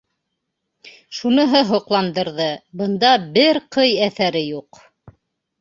Шуныһы һоҡландырҙы: бында бер ҡый әҫәре юҡ.